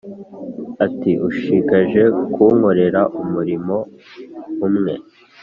ati: "ushigaje kunkorera umurimo umwe,